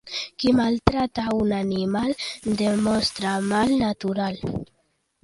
Qui maltracta un animal demostra mal natural.